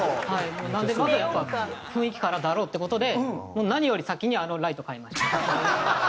なのでまずはやっぱ雰囲気からだろうって事で何より先にあのライト買いました。